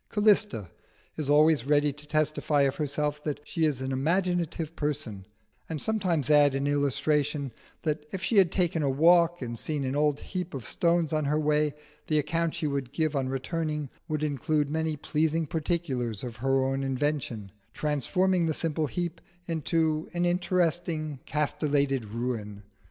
Callista is always ready to testify of herself that she is an imaginative person, and sometimes adds in illustration, that if she had taken a walk and seen an old heap of stones on her way, the account she would give on returning would include many pleasing particulars of her own invention, transforming the simple heap into an interesting castellated ruin.